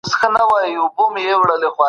ته د دې موضوع په اړه څه وايې؟